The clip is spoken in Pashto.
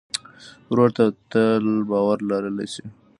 ورور ته تل باور لرلی شې.